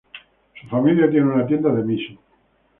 Su familia tiene una tienda de miso.